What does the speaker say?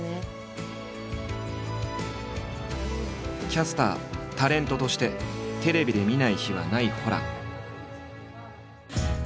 キャスタータレントとしてテレビで見ない日はないホラン。